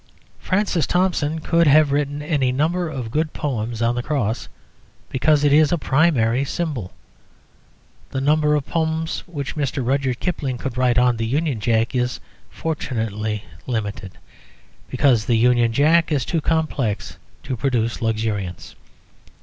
Francis Thompson could have written any number of good poems on the Cross, because it is a primary symbol. The number of poems which Mr. Rudyard Kipling could write on the Union Jack is, fortunately, limited, because the Union Jack is too complex to produce luxuriance.